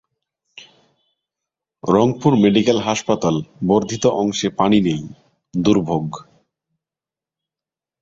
Rangpur medical হাসপাতাল বর্ধিত অংশে পানি নেই, দুর্ভোগ